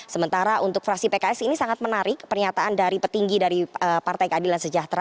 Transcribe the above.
sementara untuk fraksi pks ini sangat menarik pernyataan dari petinggi dari partai keadilan sejahtera